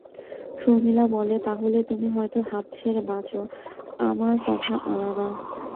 শর্মিলা বলে, তা হলে তুমি হয়তো হাঁপ ছেড়ে বাঁচ, আমার কথা আলাদা।